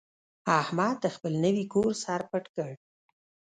احمد د خپل نوي کور سر پټ کړ.